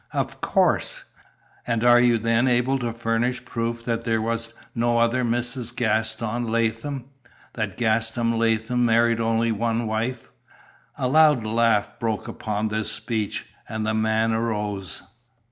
"Of course!" "And you are then able to furnish proof that there was no other Mrs. Gaston Latham? That Gaston Latham married only one wife?" A loud laugh broke upon this speech, and the man arose.